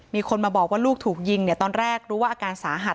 มีคนมาบอกว่าลูกถูกยิงเนี่ยตอนแรกรู้ว่าอาการสาหัส